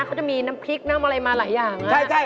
เขาจะมีน้ำพริกน้ำอะไรมาหลายอย่าง